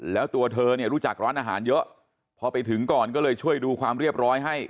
แล้วตัวเธอเนี่ยรู้จักร้านอาหารเยอะพอไปถึงก่อนก็เลยช่วยดูความเรียบร้อยให้